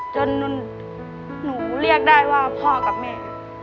จนหนูเรียกได้ว่าพ่อกับแม่